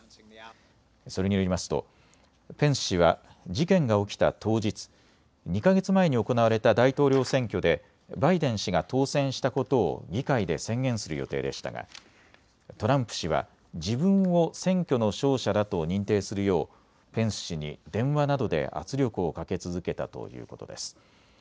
それによりますとペンス氏は事件が起きた当日、２か月前に行われた大統領選挙でバイデン氏が当選したことを議会で宣言する予定でしたがトランプ氏は自分を選挙の勝者だと認定するようペンス氏に電話などで圧力をかけ続けたということです。